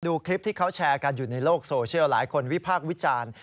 ดูคลิปที่เขาแชร์กันอยู่ในโลกโซเชียลหลายคนวิพากษ์วิจารณ์